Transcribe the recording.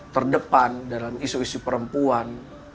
terdepan dalam isu isu perempuan